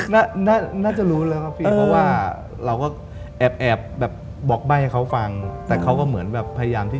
น่าจะรู้เลยครับพี่